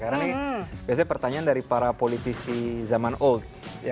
karena ini biasanya pertanyaan dari para politisi zaman old